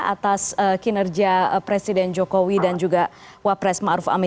atas kinerja presiden jokowi dan juga wapres maruf amin